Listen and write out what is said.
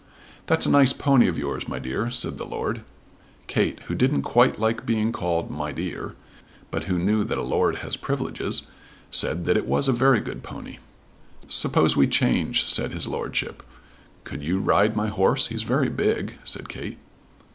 "That's a nice pony of yours, my dear," said the Lord. Kate, who didn't quite like being called "my dear," but who knew that a lord has privileges, said that it was a very good pony. "Suppose we change," said his lordship. "Could you ride my horse?" "He's very big," said Kate.